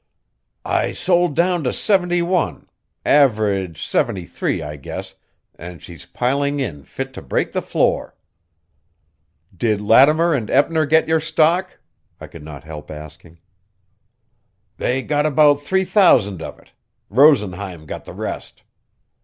"I sold down to seventy one average seventy three, I guess and she's piling in fit to break the floor." "Did Lattimer and Eppner get your stock?" I could not help asking. "They got about three thousand of it. Rosenheim got the rest."